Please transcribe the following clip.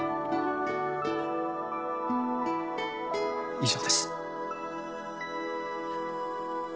以上です。